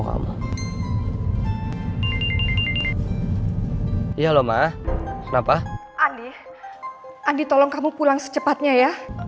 andi tolong kamu pulang secepatnya ya